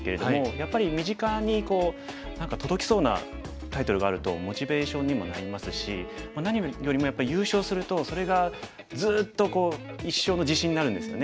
やっぱり身近に何か届きそうなタイトルがあるとモチベーションにもなりますし何よりもやっぱ優勝するとそれがずっと一生の自信になるんですよね。